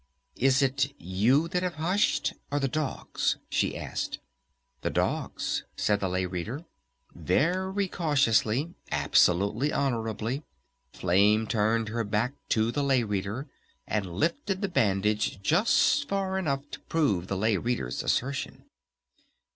"Is it you that have hushed? Or the dogs?" she asked. "The dogs," said the Lay Reader. Very cautiously, absolutely honorably, Flame turned her back to the Lay Reader, and lifted the bandage just far enough to prove the Lay Reader's assertion.